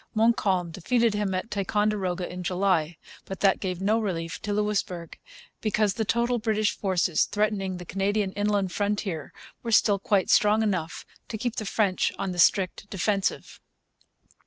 Montcalm defeated him at Ticonderoga in July. But that gave no relief to Louisbourg; because the total British forces threatening the Canadian inland frontier were still quite strong enough to keep the French on the strict defensive.